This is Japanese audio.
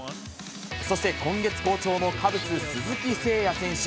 そして今月好調のカブス、鈴木誠也選手。